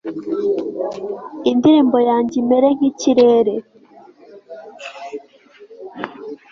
indirimbo yanjye imere nk'ikirere!